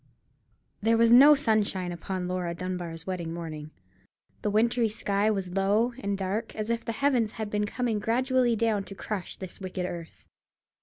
There was no sunshine upon Laura Dunbar's wedding morning. The wintry sky was low and dark, as if the heavens had been coming gradually down to crush this wicked earth.